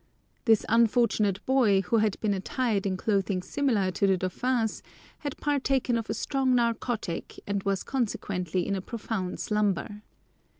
This unfortunate boy, who had been attired in clothing similar to the dauphin's, had partaken of a strong narcotic, and was consequently in a profound slumber.